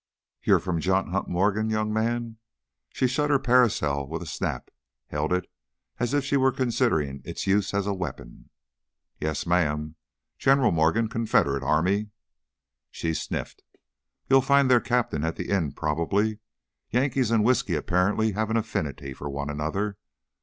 "You're from John Hunt Morgan, young man?" She shut her parasol with a snap, held it as if she was considering its use as a weapon. "Yes, ma'am. General Morgan, Confederate Army " She sniffed. "You'll find their captain at the inn, probably. Yankees and whiskey apparently have an affinity for one another.